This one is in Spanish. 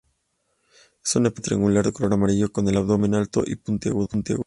Es una pequeña araña triangular de color amarillo, con el abdomen alto y puntiagudo.